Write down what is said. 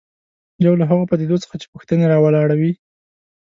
یو له هغو پدیدو څخه چې پوښتنې راولاړوي.